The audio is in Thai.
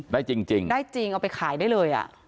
ได้จริงเอาไปขายได้เลย